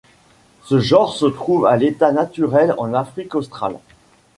Ce genre se trouve à l'état naturel en Afrique australe.